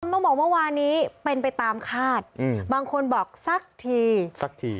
ต้องบอกเมื่อวานี้เป็นไปตามคาดบางคนบอกสักทีสักที